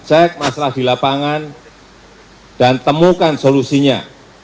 cek masalah di lapangan dan temukan solusinya